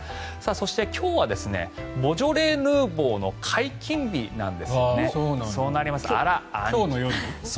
そして、今日はボージョレ・ヌーボーの解禁日なんですよね。